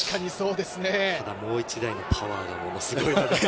ただもう１台のパワーがものすごい。